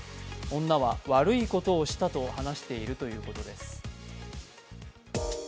女は悪いことをしたと話しているということです。